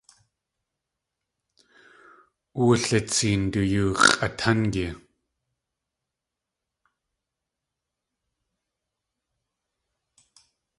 Wulitseen du yóo x̲ʼatángi.